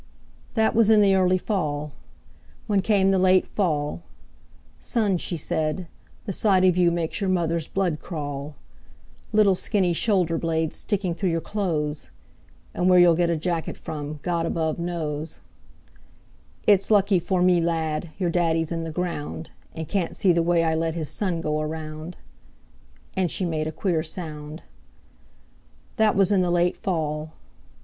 That was in the early fall. When came the late fall, "Son," she said, "the sight of you Makes your mother's blood crawl,– "Little skinny shoulder blades Sticking through your clothes! And where you'll get a jacket from God above knows. "It's lucky for me, lad, Your daddy's in the ground, And can't see the way I let His son go around!" And she made a queer sound. That was in the late fall.